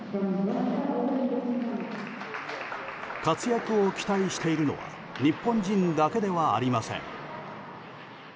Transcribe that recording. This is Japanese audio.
活躍を期待しているのは日本人だけではありません。